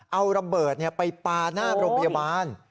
เอาระเบิดไปปาหน้าโรงพยาบาล